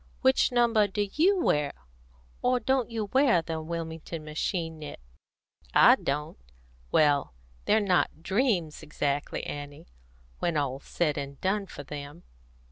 Which number do you wear? Or don't you wear the Wilmington machine knit? I don't. Well, they're not dreams exactly, Annie, when all's said and done for them."